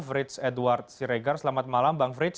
frits edward siregar selamat malam bang frits